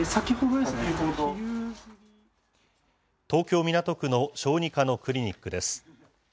東京・港区の小児科のクリニックです。